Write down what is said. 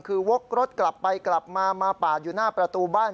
คือวกรถกลับไปกลับมามาปาดอยู่หน้าประตูบ้าน